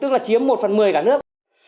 tức là chiếm một phần một mươi cả nước